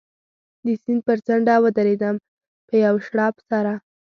د سیند پر څنډه و درېدم، په یوه شړپ سره.